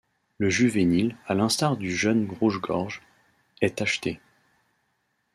Le juvénile, à l'instar du jeune rouge-gorge, est tacheté.